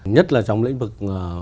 nhất là trong lĩnh vực